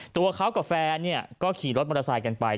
ตัวเขากับแฟนก็ขี่รถมอเตอร์ไซค์กันไป